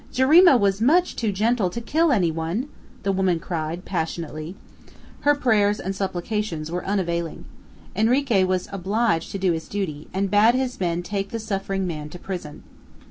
Jarima was much too gentle to kill any one!" the woman cried, passionately. Her prayers and supplications were unavailing. Henrique was obliged to do his duty, and bade his men take the suffering man to prison.